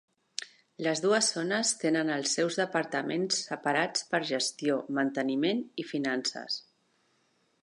Les dues zones tenen els seus departaments separats per gestió, manteniment i finances.